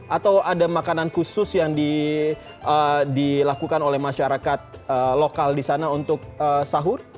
atau ada makanan khusus yang dilakukan oleh masyarakat lokal di sana untuk sahur